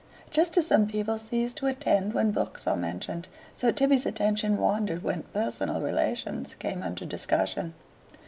Just as some people cease to attend when books are mentioned, so Tibby's attention wandered when "personal relations" came under discussion.